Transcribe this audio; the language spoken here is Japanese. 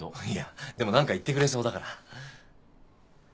いやでも何か言ってくれそうだから。